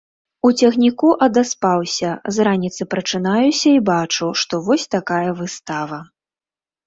У цягніку адаспаўся, з раніцы прачынаюся і бачу, што вось такая выстава.